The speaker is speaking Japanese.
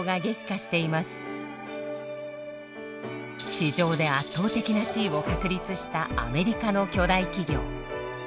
市場で圧倒的な地位を確立したアメリカの巨大企業。